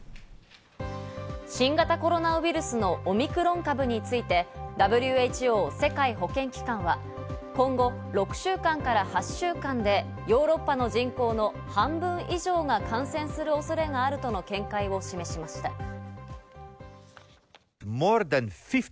新型コロナウイルスのオミクロン株について、ＷＨＯ＝世界保健機関は今後６週間から８週間でヨーロッパの人口の半分以上が感染する恐れがあるとの見解を示しました。